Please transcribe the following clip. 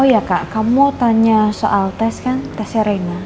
oh iya kak kamu tanya soal tes kan tes serena